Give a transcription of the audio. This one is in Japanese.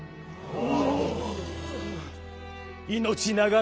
お！